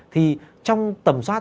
thì trong tầm soát